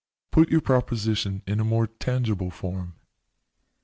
"" Put your proposition in a more tangible form."